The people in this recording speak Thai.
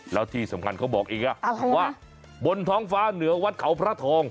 แล้วที่สำคัญเขาบอกอีกว่าบนท้องฟ้าเหนือวัดเขาพระทอง